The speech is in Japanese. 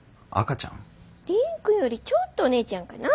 蓮くんよりちょっとお姉ちゃんかな？